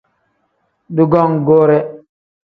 Dugongoore.